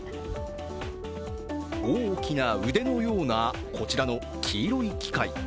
大きな腕のようなこちらの黄色い機械。